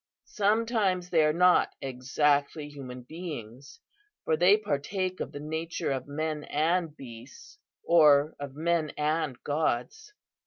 Sometimes they are not exactly human beings, for they partake of the nature of men and beasts, or of men and gods.